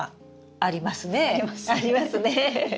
ありますねえ。